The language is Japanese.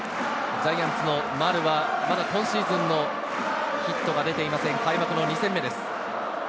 ジャイアンツの丸は、まだ今シーズンのヒットが出ていません、開幕の２戦目です。